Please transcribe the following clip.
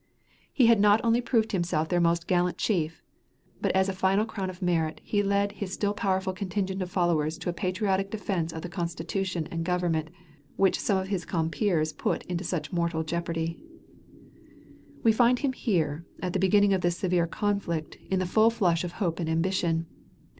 He had not only proved himself their most gallant chief, but as a final crown of merit he led his still powerful contingent of followers to a patriotic defense of the Constitution and government which some of his compeers put into such mortal jeopardy. We find him here at the beginning of this severe conflict in the full flush of hope and ambition.